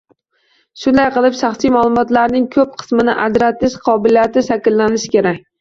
Shunday qilib, shaxsiy maʼlumotlarning koʻp qismini ajratish qobiliyati shakllanishi kerak